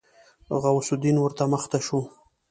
غوث الدين ورمخته شو.